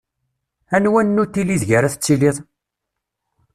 Anwa nnutil ideg ara tettiliḍ?